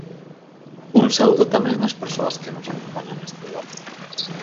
Un saúdo tamén ás persoas que nos acompañan neste debate.